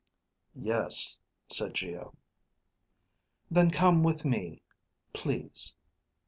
"Yes," said Geo. "Then come with me. Please."